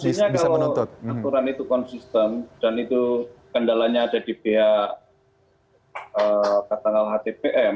maksudnya kalau aturan itu konsisten dan itu kendalanya ada di pihak katakanlah hdpm